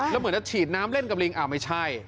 แล้วเหมือนจะฉีดน้ำเล่นกับลิงไม่ใช่